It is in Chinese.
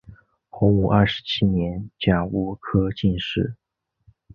洪武二十七年甲戌科进士。